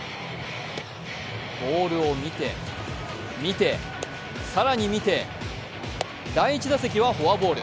ボールを見て、見て、更に見て第１打席はフォアボール。